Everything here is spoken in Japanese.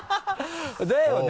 だよね？